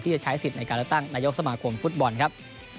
จะใช้สิทธิ์ในการเลือกตั้งนายกสมาคมฟุตบอลครับ